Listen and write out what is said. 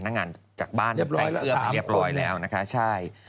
น่ะใช่